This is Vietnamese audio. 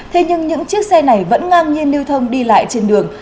thế nhưng những chiếc xe này vẫn ngang nhiên lưu thông đi lại trên đường